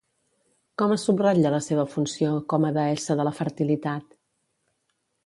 Com es subratlla la seva funció com a deessa de la fertilitat?